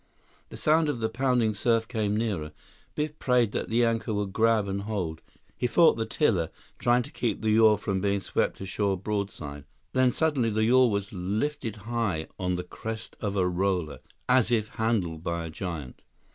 The sound of the pounding surf came nearer. Biff prayed that the anchor would grab and hold. He fought the tiller, trying to keep the yawl from being swept ashore broadside. Then, suddenly, the yawl was lifted high on the crest of a roller, as if handled by a giant.